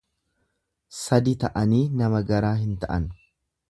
Sadi ta'anii nama garaa hin ta'an.